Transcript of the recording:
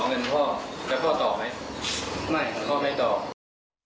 ไม่ขอเงินพ่อให้ตอบ